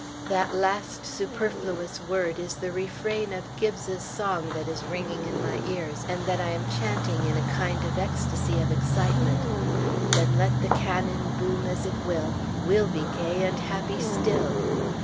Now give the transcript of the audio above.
That last superfluous word is the refrain of Gibbes's song that is ringing in my ears, and that I am chanting in a kind of ecstasy of excitement: "Then let the cannon boom as it will, We'll be gay and happy still!"